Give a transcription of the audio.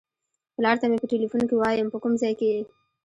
پلار ته مې په ټیلیفون کې وایم په کوم ځای کې یې.